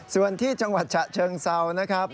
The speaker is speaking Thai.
ส่วนที่จังหวัดฉะเชิงเซานะครับ